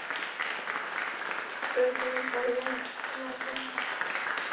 উত্তরে তিনি বললেনঃ আমার বোন।